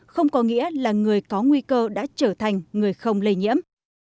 không có nghĩa là người có nguy cơ đã trở thành người không lây nhiễm